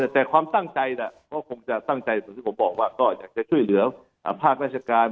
แต่ความตั้งใจก็คงจะตั้งใจเหมือนที่ผมบอกว่าก็อยากจะช่วยเหลือภาคราชการ